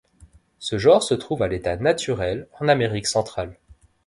Ce genre se trouve à l'état naturel en Amérique centrale.